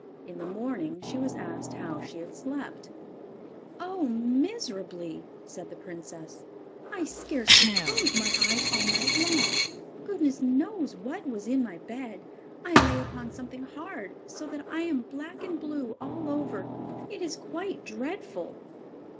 In the morning she was asked how she had slept. "Oh, miserably!" said the princess. "I scarcely closed my eyes all night long. Goodness knows what was in my bed. I lay upon something hard, so that I am black and blue all over. It is quite dreadful!"